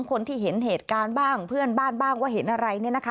คนที่เห็นเหตุการณ์บ้างเพื่อนบ้านบ้างว่าเห็นอะไรเนี่ยนะคะ